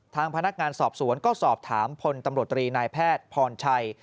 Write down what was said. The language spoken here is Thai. ทางพนักงานสอบสวนก็สอบถามพลตำรวจตรีนายแพทย์พรชัย